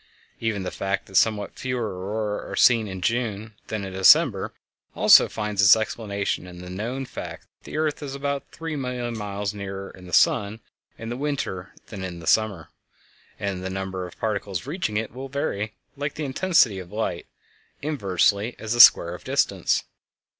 Even the fact that somewhat fewer auroræ are seen in June than in December also finds its explanation in the known fact that the earth is about three million miles nearer the sun in the winter than in the summer, and the number of particles reaching it will vary, like the intensity of light, inversely as the square of the distance.